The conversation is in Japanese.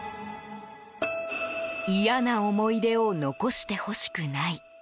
嫌な思い出を残してほしくない。